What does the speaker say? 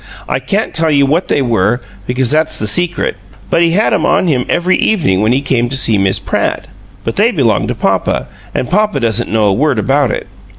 "I can't tell you what they were, because that's the secret but he had 'em on him every evening when he came to see Miss Pratt, but they belong to papa, an' papa doesn't know a word about it.